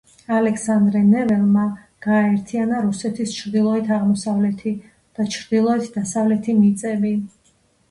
ალექსანდრე ნეველმა გააერთიანა რუსეთის ჩრდილოეთ-აღმოსავლეთი და ჩრდილოეთ-დასავლეთი მიწები.